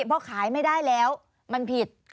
เพราะขายไม่ได้แล้วมันผิด